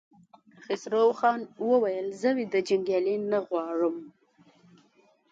خسروخان وويل: زه ويده جنګيالي نه غواړم!